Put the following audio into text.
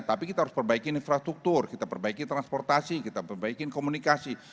tapi kita harus perbaiki infrastruktur kita perbaiki transportasi kita perbaikin komunikasi